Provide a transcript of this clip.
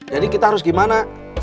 jadi kita harus gimana